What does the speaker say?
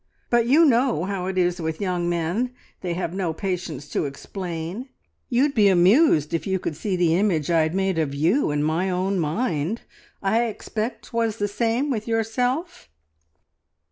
"But you know how it is with young men they have no patience to explain! You'd be amused if you could see the image I'd made of you in my own mind. I expect 'twas the same with yourself?"